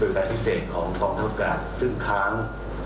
การพิเศษของกองทัพอากาศซึ่งค้าง